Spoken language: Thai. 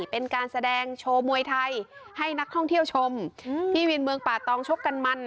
เป็นการแสดงโชว์มวยไทยให้นักท่องเที่ยวชมที่เวียนเมืองป่าตองชกกันมัน